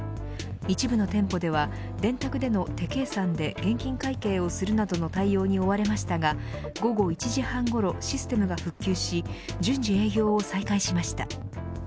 一部の店舗では電卓での手計算で現金会計をするなどの対応に追われましたが午後１時半ごろシステムが復旧し順次営業を再開しました。